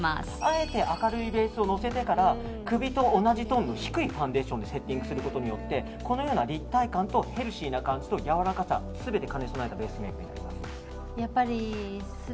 あえて明るいベースをのせてから首と同じトーンの低いファンデーションをセッティングすることによってこのような立体感とヘルシーな感じとやわらかさ全て兼ね備えたベースメイクになります。